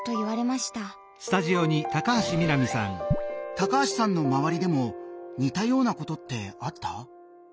高橋さんの周りでも似たようなことってあった？